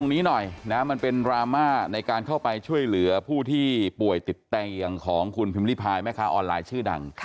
นี้หน่อยนะมันเป็นดราม่าในการเข้าไปช่วยเหลือผู้ที่ป่วยติดเตียงของคุณพิมพิพายแม่ค้าออนไลน์ชื่อดัง